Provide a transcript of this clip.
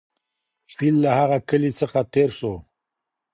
فیل له هغه کلي څخه تېر سو.